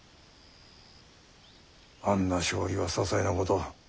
あんな勝利はささいなこと。